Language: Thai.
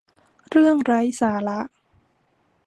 เรื่องไร้สาระ